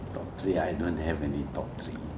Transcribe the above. top tiga saya tidak memiliki top tiga